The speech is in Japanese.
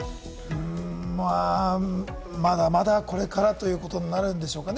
まだまだこれからということになるんでしょうかね？